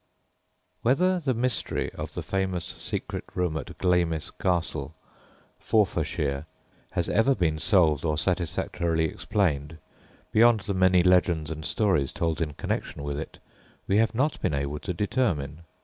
Whether the mystery of the famous secret room at Glamis Castle, Forfarshire, has ever been solved or satisfactorily explained beyond the many legends and stories told in connection with it, we have not been able to determine.